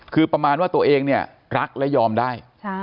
คือประมาณว่าตัวเองเนี่ยรักและยอมได้